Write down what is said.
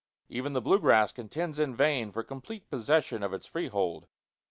Even the blue grass contends in vain for complete possession of its freehold.